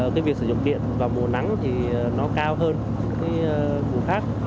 cái việc sử dụng điện vào mùa nắng thì nó cao hơn những vụ khác